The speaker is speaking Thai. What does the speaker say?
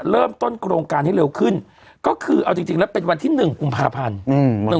เริ่มต้นโครงการให้เร็วขึ้นก็คือเอาจริงจริงแล้วเป็นวันที่หนึ่งกุมภาพันธ์อืม